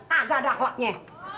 kagak dah waknya